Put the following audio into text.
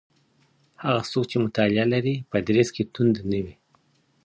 هغه څوک چي مطالعه لري په دریځ کي توند نه وي.